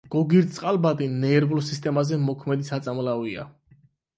გოგირდწყალბადი ნერვულ სისტემაზე მოქმედი საწამლავია.